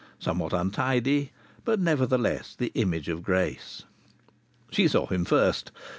Somewhat untidy, but nevertheless the image of grace. She saw him first.